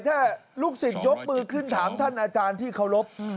ถ้าลูกศิษย์ยกมือขึ้นถามท่านอาจารย์ที่เคารพ